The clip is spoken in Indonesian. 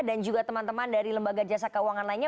dan juga teman teman dari lembaga jasa keuangan lainnya